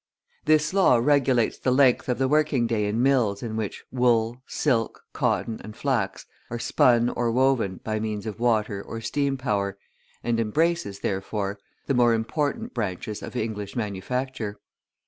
This law regulates the length of the working day in mills in which wool, silk, cotton, and flax are spun or woven by means of water or steam power, and embraces, therefore, the more important branches of English manufacture.